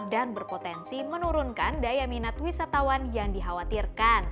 dan berpotensi menurunkan daya minat wisatawan yang dikhawatirkan